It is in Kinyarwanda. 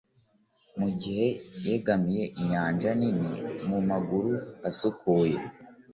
mugihe yegamiye inyanja nini mumaguru asukuye